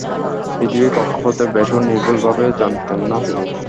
পৃথিবীর কক্ষপথের ব্যাসও নির্ভুল ভাবে জানতেন না তিনি।